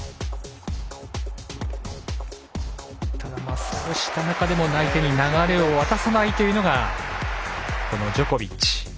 ただ、そうした中でも相手に流れを渡さないのがこのジョコビッチ。